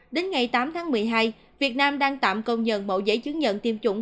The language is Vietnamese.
đến ngày tám tháng một mươi hai việt nam đang tạm công nhận mẫu giấy chứng nhận tiêm chủng